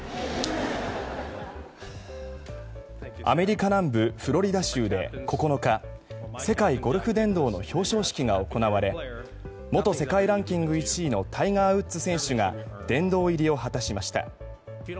アメリカ南部フロリダ州で９日世界ゴルフ殿堂の表彰式が行われ元世界ランキング１位のタイガー・ウッズ選手が殿堂入りを果たしました。